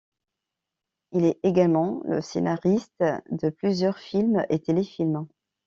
Il est également le scénariste de plusieurs films et téléfilms.